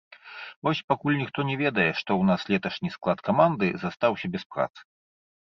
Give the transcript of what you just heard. Вось, пакуль ніхто не ведае, што ў нас леташні склад каманды застаўся без працы.